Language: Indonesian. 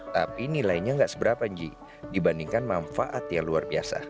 tapi nilainya nggak seberapa ji dibandingkan manfaat yang luar biasa